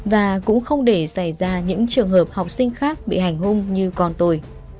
và cũng không để xảy ra những trường hợp học sinh khác bị hành hung như con tôi